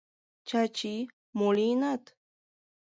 — Чачи, мо лийынат?